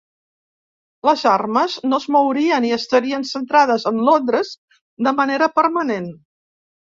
Les armes no es mourien i estarien centrades en Londres de manera permanent.